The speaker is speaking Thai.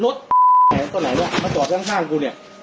รถไหนคนไหนเนี่ยมาจอดข้างกูเนี่ย